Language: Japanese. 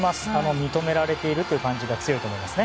認められているという感じが強いと思いますね。